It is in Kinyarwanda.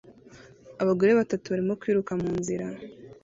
Abagore batatu barimo kwiruka munzira